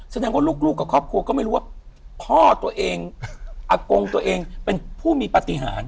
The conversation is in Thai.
แสดงว่าลูกกับครอบครัวก็ไม่รู้ว่าพ่อตัวเองอากงตัวเองเป็นผู้มีปฏิหาร